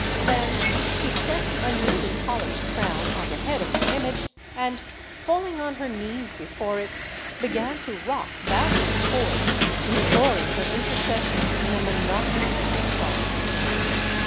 Then she set a newly poHshed crown on the head of the image and, falling on her knees before it, began to rock back and forth im ploring her intercession in a monotonous singsong.